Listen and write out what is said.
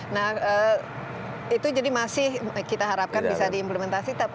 nah itu jadi masih kita harapkan bisa diimplementasi